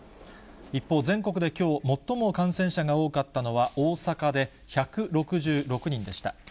一方、全国できょう最も感染者が多かったのは大阪で１６６人でした。